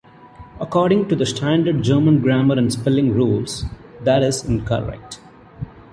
According to the Standard German grammar and spelling rules, that is incorrect.